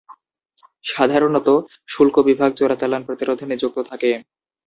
সাধারণত: শুল্ক বিভাগ চোরাচালান প্রতিরোধে নিযুক্ত থাকে।